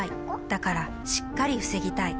だから、しっかり防ぎたい。